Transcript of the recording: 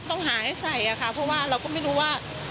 ต้องหาให้ใส่ค่ะเพราะว่าเราก็ไม่รู้ว่า